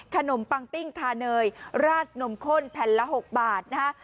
ปังปิ้งทาเนยราดนมข้นแผ่นละ๖บาทนะฮะ